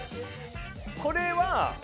これは。